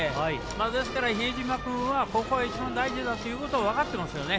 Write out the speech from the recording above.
ですから、比江島君はここが一番大事だと分かっていますよね。